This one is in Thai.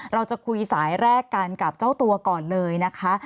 เราจะคุยสายแรกกันกับเจ้าตัวก่อนเลยนะคะ